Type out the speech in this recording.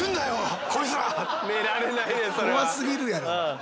怖すぎるやろ。